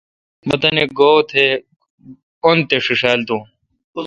مہ تانی گو°تہ ان تے°ݭیݭال دون۔